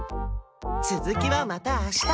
続きはまたあした！